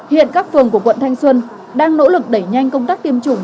hiện các phường của quận thanh xuân đang nỗ lực đẩy nhanh công tác tiêm chủng